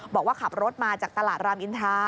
บอกว่าขับรถมาจากตลาดรามอินทา